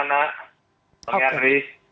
selamat sore bang yandri